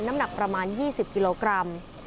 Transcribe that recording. น้ำหนักประมาณ๒๐กิโลกรัม